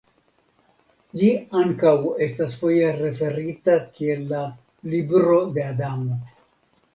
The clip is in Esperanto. Ĝi ankaŭ estas foje referita kiel la "Libro de Adamo".